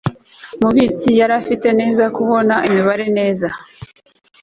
umubitsi yari afite neza kubona imibare neza